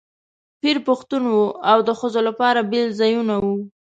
پیر پښتون و او د ښځو لپاره بېل ځایونه وو.